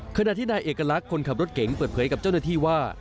ขณะที่นายเอกลักษณ์คนขับรถเก๋งเปิดเผยกับเจ้าหน้าที่ว่า